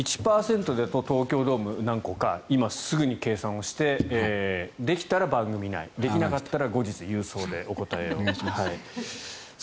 １％だと東京ドーム何個か今すぐに計算をしてできたら番組内できなかったら後日郵送でお答えします。